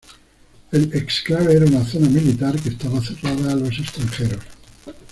El exclave era una zona militar, que estaba cerrada a los extranjeros.